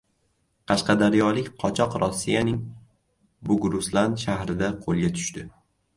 Qashqadaryolik qochoq Rossiyaning Bugruslan shahrida qo‘lga tushdi